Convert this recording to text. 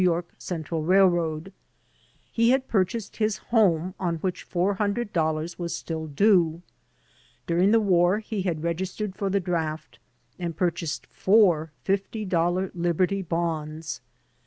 Y. C. R. R He had purchased his honie on which four hundred dol lars was still due. During the war he had registered for the draft and purchased four fifty dollar Liberty Bonds.